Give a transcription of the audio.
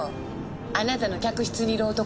あなたの客室にいる男。